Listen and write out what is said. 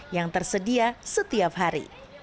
yang tersedia setiap hari